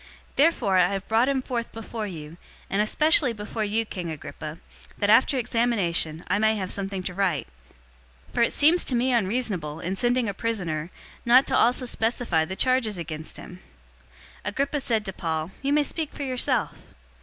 Therefore I have brought him forth before you, and especially before you, King Agrippa, that, after examination, I may have something to write. 025:027 For it seems to me unreasonable, in sending a prisoner, not to also specify the charges against him." 026:001 Agrippa said to Paul, "You may speak for yourself."